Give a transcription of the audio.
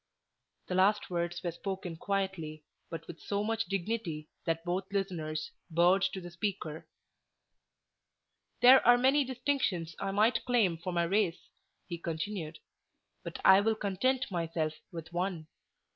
The last words were spoken quietly, but with so much dignity that both listeners bowed to the speaker. "There are many distinctions I might claim for my race," he continued; "but I will content myself with one.